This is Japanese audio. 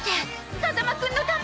風間くんのため？